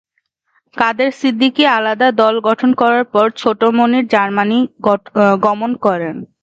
কাদের সিদ্দিকী আলাদা দল গঠন করার পর ছোট মনির জার্মানি গমন করেন।